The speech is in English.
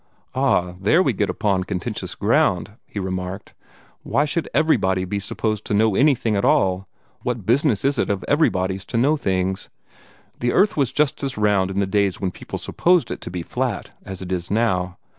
"Ah, there we get upon contentious ground," he remarked. "Why should 'everybody' be supposed to know anything at all? What business is it of 'everybody's' to know things? The earth was just as round in the days when people supposed it to be flat, as it is now.